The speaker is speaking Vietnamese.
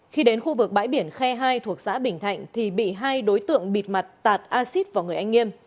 khi đến khu vực bãi biển khe hai thuộc xã bình thạnh thì bị hai đối tượng bịt mặt tạt acid vào người anh nghiêm